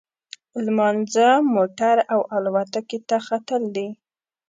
لمانځه، موټر او الوتکې ته ختل دي.